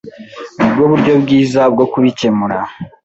Nibwo buryo bwiza bwo kubikemura.